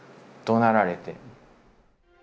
どなられて。